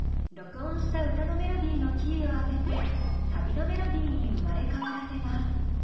録音した歌のメロディーのキーを上げてサビのメロディーに生まれ変わらせます。